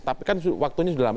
tapi kan waktunya sudah lama